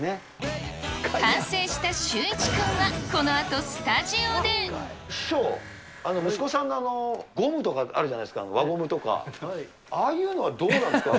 完成したシューイチくんはこ師匠、息子さんのゴムとかあるじゃないですか、輪ゴムとか、ああいうのはどうなんですか？